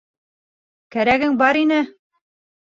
Кәрәгең бар ине!